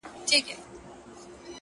هغه چي ماته يې په سرو وینو غزل ليکله؛